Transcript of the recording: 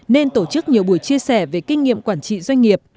nên tổ chức nhiều buổi chia sẻ về kinh nghiệm quản trị doanh nghiệp